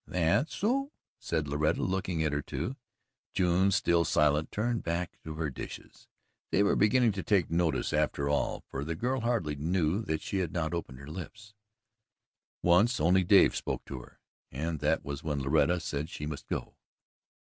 "That's so," said Loretta, looking at her, too. June, still silent, turned back to her dishes. They were beginning to take notice after all, for the girl hardly knew that she had not opened her lips. Once only Dave spoke to her, and that was when Loretta said she must go.